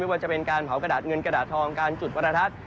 ว่าจะเป็นการเผากระดาษเงินกระดาษทองการจุดประทัด